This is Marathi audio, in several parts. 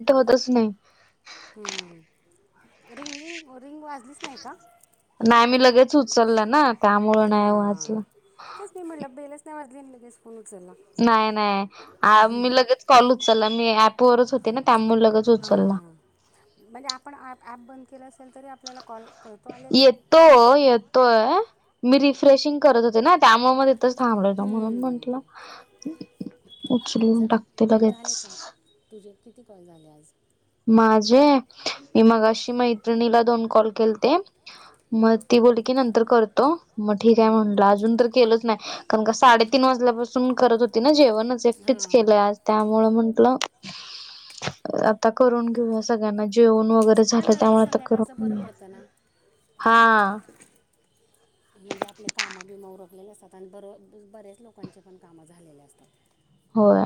कट होतच नाही. हम रिंगिंग -रिंग वाजलीच नाही का? नाही मी लगेच उचललं ना, त्यामुळं नाही वाजलं. आता वाजले ना लगेच नाही नाही मी लगेच कॉल उचलला मी ऍपवरच होते ना, त्यामुळे लगच हां म्हणजे आपण ॲप बंद केलं असेल तरी, आपल्याला कॉल येतो येतोय मी रिफ्रेशिंग करत होते ना, त्यामुळे म इथेच थांबले ना म्हणून म्हंटलं उचलून टाकते लगेच. किती कॉल झाले आज? माझे मी मगाशी मैत्रिणीला दोन कॉल केलते. मग ती बोल की नंतर करतो. मग ठीक आहे म्हटलं अजून तर केलंच नाही, कारण का साडेतीन वाजल्यापासून करत होती ना जेवण. एकटच केलं आज त्यामुळे म्हंटलं अ करून घेऊ सगळ्यांना जेवण वगैरे झालं त्यामुळे करून घ्याचं हा. म्हणजे आपले कामबिम उरकलेले असतात, आणि बर-बऱ्याच लोकांचे पण काम झालेली असतात. होय.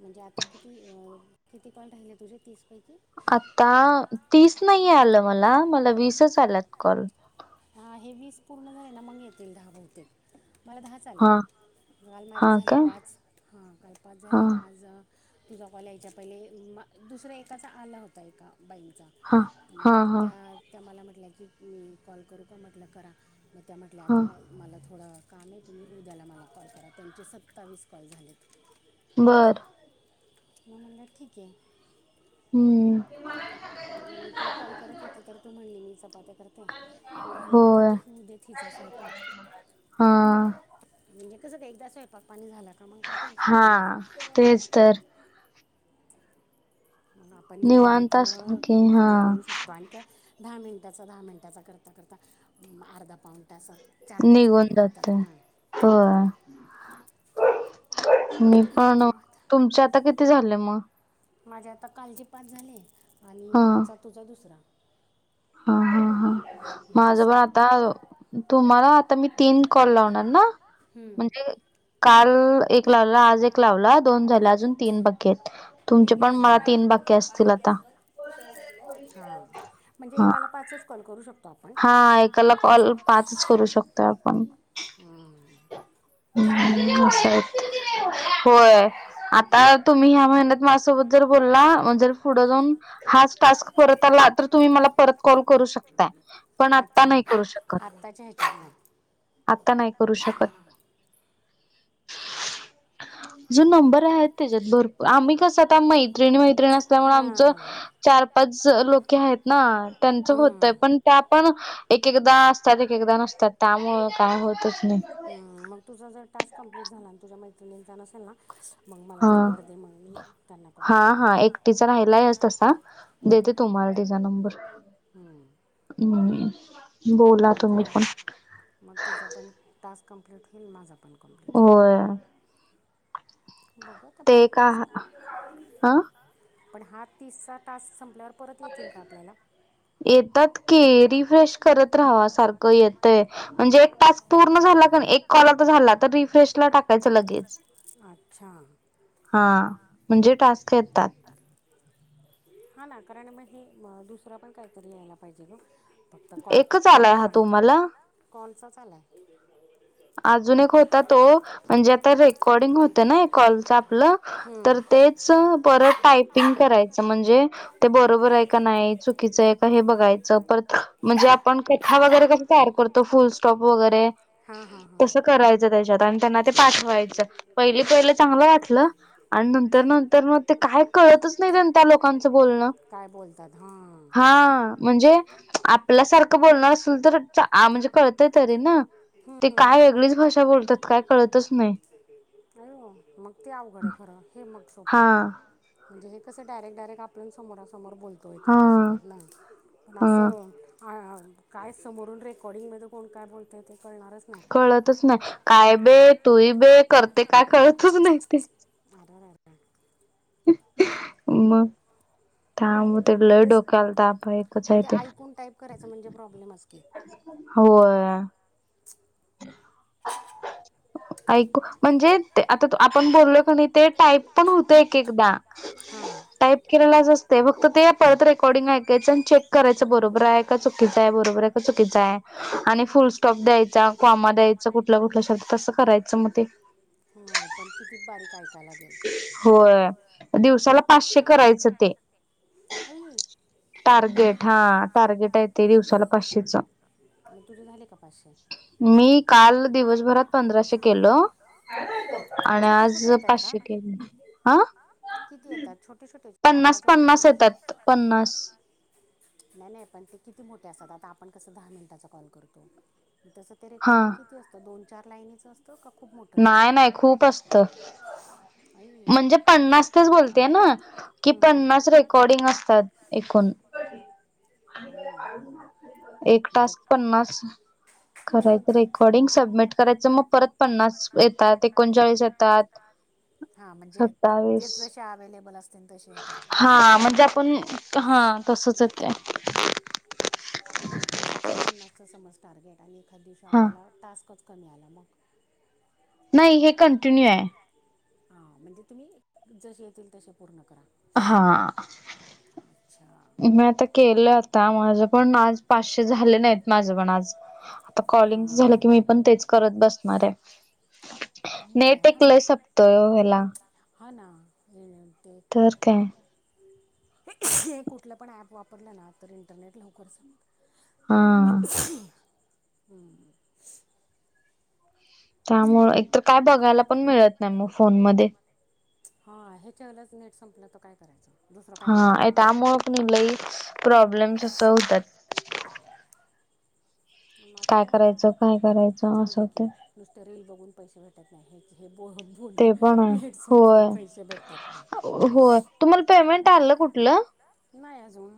म्हणजे आता किती? किती काँल राहिले तुझे तीस पैकी आता तीस नाही आलं मला, मला वीसच आल्यात कॉल. हा हे वीस पूर्ण झाले ना, मग येतील दहा बहुतेक. मला दहाच आलेत, काल माझे झाले पाच हां काल पाच झाले आज तुझा कॉला यायच्या पहिले म-दुसरा एकाचा आला होता, एका बाईंचा मग त्या- त्या मला म्हटल्या की कॉल करू का म्हटलं करा, मग त्या म्हटल्या आता मला थोडा का नाही तुम्ही उद्याला मला कॉल करा, त्यांचे सत्तावीस कॉल झालेत. बरं. म म्हणलं ठीक आहे. हम. मी तुला कॉल करत होते, तर तू म्हणली मी चपात्या करते मग म्हणलं ठीकेय होऊ दे तिचा स्वयंपाक. म्हणजे. कस का एकदा स्वयंपाक पाणी झालं का. मग काय टेन्शन नाही ना. मग आपण निवांत कॉल करू शकतो. आणि काय दहा मिनटाचा. दहा मिनटाचा. करता-करता अर्धा पाउन चार-पाच कॉल होतात ना. मी पण तुमचे आता किती झाले मग? माझे आता कालजी पाच झाले. आणि आजचा तुझा दुसरा. हा. हा. हा. माझं पण आता. तुम्हाला आता मी तीन कॉल लावणार ना. म्हणजे काल एक लावल्याचा आज एक. लावला दोन झाले अजून तीन बाकी आहेत तुमचे पण मला तीन बाकीे असतील आता. [inaudible] [inaudible] म्हणजेएकाला पाच कॉल करू शको. हा एकाला कॉल पाचच करू शकतोय आपण. होय. आता तुम्ही ह्या महिन्यात माझ्यासोबत जर बोलला म्हणजे पुढं जाऊन हाच टास्क परत आला. तर तुम्ही मला परत कॉल करू शकताय पण आंता नाही करू शकत. [inaudible] आता नाही. जे नंबर आहेत त्याच्यात भरपू आम्ही कसं आता मैत्रिणी मैत्रिणी असल्यामुळे आमचं चार पाच लोके आहेत ना. त्यांच होतय पण त्या पण एक एकदा असतात एक एकदा नसत्यात त्यामुळ काय होत. मग तुझ जर टास्क कंप्लीट झाला आणि तुझ्या मैत्रिंचा नेल ना मग मला नंबर. हा हा एकटीचा राहिला तसा देते तुम्हाला तिचा नंबर. हम्. म्हणजे मग मग तिचा पण टास्क कंप्लीट होईल माझं पण. होय. बघू आता पण तास पण हा तीसचा तास संपल्यावर. परत येतील का आपल्याला? येतात कि रिफ्रेश करत राहाव्हा सारखं येतय म्हणजे एक टास्क पूर्ण झाला. एक कॉल झाला तर रिफ्रेश ला टाकायच लगेच. हा म्हणजे टास्क येतात हा ना कारण मग हे दुसरा पण काहीतरी यायला पाहिजे ग. फक्त कॉलपेक्षा नाही का कॉलचाच आलाय. अजून एक होता तो म्हणजे आता रेकॉर्डिंग होत ना. कॉलचा आपलं,, तर तेच, परत टायपिंग करायच म्हणजे, ते बरोबऽऽ. हाय का नाय, चुकिचा हाय का बघायचं,,, म्हणजे आपण कथा वगैरे कसं तयार करतोऽऽ. टॉप वगैरे,, तसं करायचं त्याच्यात,, आणि त्यांना ते पाठवायच,, पयला पयलाऽऽ. चांगलं वाटलं, आणि नंतर, नंतर मग ते काय कळतच नाही, त्यां, त्या लोकांचं बोलणंऽ. हां, म्हणजे आपल्या सारखं बोलणार असेल तर,, म्हणजे कळतऽऽ तय तरी ना,, ते काय वेगळीच भाषा बोलतात काय कळतच नाही. मग ते अवघड आहे खरं,, हे मग सोपं म्हणजे,, हे कसं डायरेक्ट डायरेक्ट आपल्या समोर असऽऽ समोर बोलतो,, एखाद्यासोबत ना पण असंऽऽ हां,, काय समोरून,, रेकर्डींगमध्ये कोण काय बोलत तेऽऽ कळतच नाही,, काय बे तूही बे करतय, काय कळतच नाही तेऽऽ मम. आणि ते ते ऐकून टाईप करायच,, म्हणजे प्रॉब्लेम कीऽऽ होऽय. हम्. ऐकू,, म्हणजे ते आऽऽ आपण बोललो क नै ते टाईप पण होतय, एक एकदा, टाईप केलेलाच असतय बगऽऽ तर ते परत रेकॉर्डिंग ऐकायचं, आणि चेक करायचं, बरोबर आहे का चुकीचं आय, बरोबर आहे का चुकीच आय. आणि फुल स्टॉप द्यायचा. काॉमा द्यायचं,, कुठला, कुठला शब्द तसं करायचं मग तेऽऽ त बारीक आय. होय, दिवसाला पाचशे करायचं ते. टार्गेट, हा टार्गेट आहे ते दिवसाला पाचशेचं. मी काल दिवसभरात पंधराशे केलोऽऽ आणि आज पाचशे केलो,, आंऽऽ किती येतात छोटे-छोटे चार-पाच वळींचे. पन्नास-पन्नास येतात पंचावन्न. नाही-नाही पण ते किती मोठे असतात. आता आपण कसं दहा मिनिटाचा कॉल करतो. तसं ते रेकॉर्डिंग किती असतं. दोन-चार लाईनीच असतं का खूप मोठ असतं. तर. आई. म्हणजे पन्नास तेच बोलतेय ना, की पन्नास रेकॉर्डिंग असतात एकूण. ह [inaudible] एक टास्क पन्नास. करायचं, रेकॉर्डिंग सबमिट करायचं, मग परत पन्नास येतात,, एकोणचाळीस. हा, म्हणजे जस-जसे अवेलेबल अस हा, म्हणजे आपण, हा तसचये ते. पण मग दिवसाच पन्नासच समज टार्गेट, आणि एखाद दिवशी आपल्याला टास्कच कमी आला मग. नाही हे कंटिन्यू या. हा म्हणजे, तुम्ही जसे येतील तसे पूर्ण करा. हां. अच्छा. मी आता केलं आता. माझ पण आज पाचशे झालं नाहीत माझं पण आज, आता कॉले. कॉलिंग झालं कि. मी पण तेच करत बसणार हाय. मग काय. नेट एक लई सपतोय ओ हेला. हा, ना. तरर काय. हे कुठलं पण ऍप वापरलं ना, तर इंटरनेट लवकरच हा, हम्म. त्यामूळ एकतर काय बघायला पण मिळत नाही मग फोन मध्ये. हा. हेच्या वालाचं नेट संपलं तर काय करायचं. हा त्यामूळ लई प्रॉब्लेमस अस होतात. मात्र काय जाऊ दे. की नुसत रेल बघून पैसे भेटत नाही. ते पण आहे. होय-होय तुम्हाला पेमेंट आलं कुठे कुठलं. नाही अजून.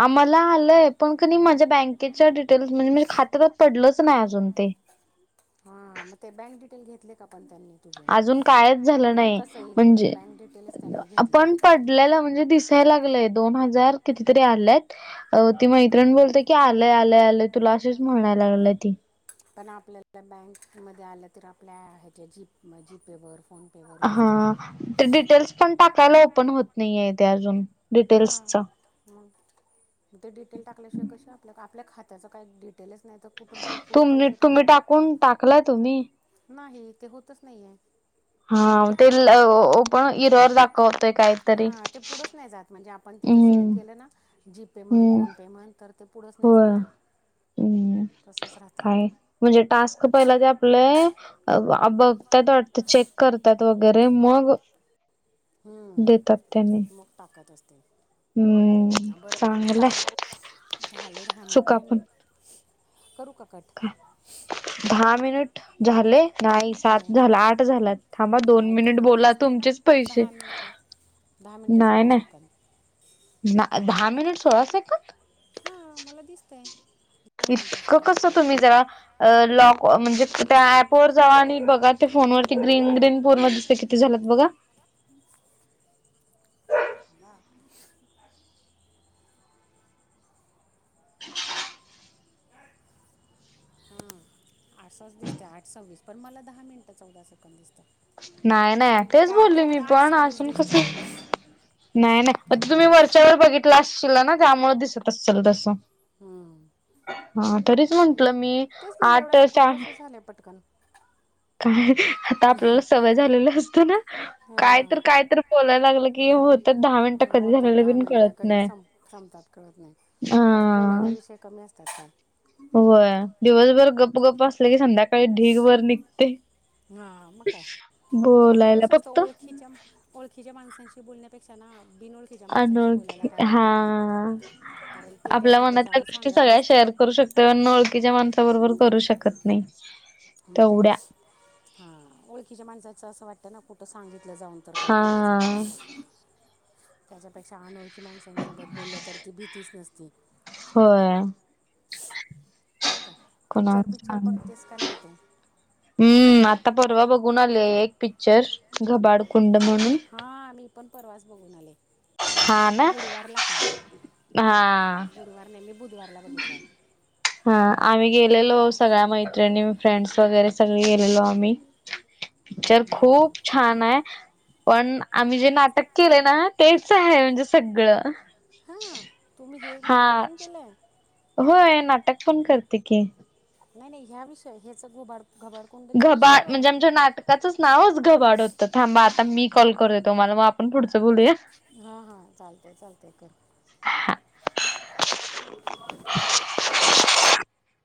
आ मला आलंय. पण क माझ्या बँकेच्या डिटेल्स म्हणजेे खात्यातात पडलंच नाही अजून ते. हा मग ते बँक डिटेल घेतले का. पण त्यांनी तुझे. मग कस येईल बर बँक डिटेल त्यांनी घेतले नाहीत म्ह दियला लागय दोन हजार. कितीतरी आल्यात. ती मैत्रिण बोलते की. आलय-आलंय-आलंय तुला अशीच म्हणायला लागलंय ती. पण आपल्याला बँकमध्ये आलं तर. आपल्या ह्याच्या जी जीपेवर. हा ते डिटेल्स पण टाकायला ओपन होत नाही आहे ते अजून. हा ते डिटेल टाकल्याशिवाय कशी आपल्य आपल्या खात्याचं काही डिटेलच नाही तर कुठून प कुठ पैसे टाकणार. नाही. ते होतच नाही हाय. हा ते पण इरवर दाखवतोय काहीतरी. म्हणे आप ति सिले केलं ना. जी. पे. म्हण. फोन. पे म्हण. तर ते पुढेच नाही जात. हम्म. काय म्हणजे टास्क पहिला जे. आपले बघत्यात वाटत चेक करताईत. वगैरे मग देतात त्यांनी. वखत असते. हम्म. हा बरोबर आहे ना. झाले दहा मिनट. मी करू का? कट. दहा मिनीट झाले. नाही सात झाला. आठ झाल्यात. थांबा दोन मिनिट बोला तुमचेच पैसे. दहा मिनिटे सोळा सेकंद. दहा मनिट सोळा सेकंड. हा मला दिसतय. दहा मिनिट सोळा सेकंड. कस तुम्ही जरा अ लाँक त्या अँप वर जावा आणि बघा ते फोन वरती ग्रीन ग्रीन पूर्ण दिसतयं किती झाल्यात बघा? [unintelligible] [unintelligible] आसचं दिसतय आठ सव्वीस पण मला दहा मिनिटं चौदा सेकंड दिसतय. नाही नाही तेच बोलली मी पण अजून कस नाही नाही. तुम्ही वरच्यावर बघितला असशिला ना त्यामुळे दिसत असेल तसं. हा तरीच म्हंटलं मी आठ च्या काय? आता आपल्याला सवय झालेली असते ना, काय तर काय तर बोलायला लागलं की होतात दहा मिनटं. होतात दहा मिनिटं कधी सं संपतात कळत नाही काय, बोलायला विषय कमी अस तात. होय, दिवसभर गपगप असले की संध्याकाळी ढीग भर निघतयं. हा मग काय, आणि कस असत ओळखीच्या- ओळखीच्या माणसा माणसांशी बोलण्यापेक्षा ना अनोळखी हा आ. आपल्या मनातल्या गोष्टी सगळ्या शेअर करू शकता, ओळखीच्या माणसा बरोबर. करू शकत नाही. मग काय हा ओळखीच्या माणसाचं असं वाटतं ना कुठं सांगित जाऊन तर काय करायचं, त्याच्यापेक्षा अनोळखी की माणसांसोबत बोललं तर ती भीतीच नसती. होय. पिक्चर बिक्चर बघतेस का नाही तू? हूम्म आता परवा बघून आले एक पिक्चर घबाडकुंड. हा मी पण परवास बघून आले. गुरुवारला का? नाही गुरुवार नाहीली बुधवार मला बघितलाय. आम्ही गेलेलो सगळ्या मैत्रिणी, फ्रेंड्स वगैरे सगळे गेलेलो आम्ही पिक्चर खूप छान हाय. पण आम्ही जे नाटक केलय ना? तेच आहे म्हणजे सगळं. हा. तुम्ही हे नाटक पण केलंय होय नाटक पण करते की नाही नाही ह्या विषय हेच घुबाड घबाड म्हणजे आमच्या नाटकाचंच नावच घबाड होतं. थांबा आता मी कॉल करूया तुम्हाला, मग आपण पुढचं बोलूया. हा हा चालतय, चालतय कर. [inaudible]